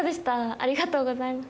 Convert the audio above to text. ありがとうございます。